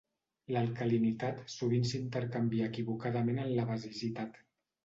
L'alcalinitat sovint s'intercanvia equivocadament amb la basicitat.